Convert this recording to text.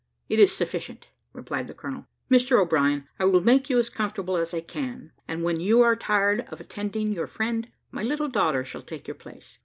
"It is sufficient," replied the colonel. "Mr O'Brien, I will make you as comfortable as I can; and when you are tired of attending your friend, my little daughter shall take your place.